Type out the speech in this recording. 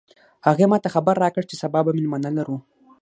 هغې ما ته خبر راکړ چې سبا به مېلمانه لرو